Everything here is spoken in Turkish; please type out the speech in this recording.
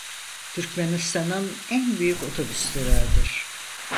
Türkmenistan'ın en büyük otobüs durağıdır.